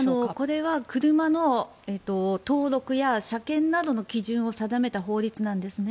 これは車の登録や車検などの基準を定めた法律なんですね。